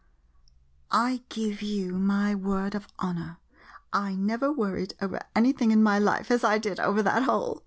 ] I give you my word of honor, I never worried over anything in my life as I did over that hole!